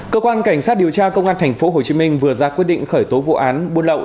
cơ quan cảnh sát điều tra công an tp hcm vừa ra quyết định khởi tố vụ án buôn lậu